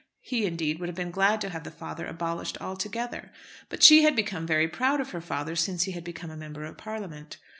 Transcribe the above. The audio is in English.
He, indeed, would have been glad to have the father abolished altogether. But she had become very proud of her father since he had become a Member of Parliament.